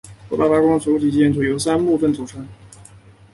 布达拉宫的主体建筑由三部分组成。